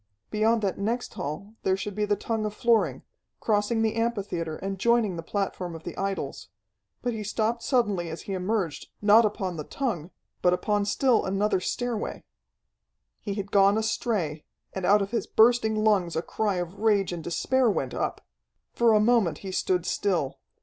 Beyond that next hall there should be the tongue of flooring, crossing the amphitheatre and joining the platform of the idols. But he stopped suddenly as he emerged, not upon the tongue, but upon still another stairway. He had gone astray, and out of his bursting lungs a cry of rage and despair went up. For a moment he stood still.